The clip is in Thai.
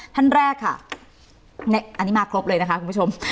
ท่านแรกค่ะอันนี้มาครบเลยนะคะคุณผู้ชม